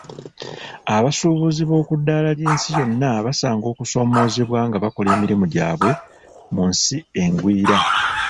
Abasuubuzi b'okuddala ly'ensi yonna basanga okusomoozebwa nga bakola emirimu gyabwe mu nsi engwira.